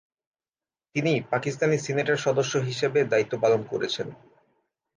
তিনি পাকিস্তানি সিনেটের সদস্য হিসেবে দায়িত্ব পালন করেছেন।